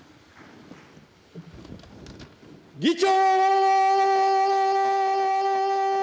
議長。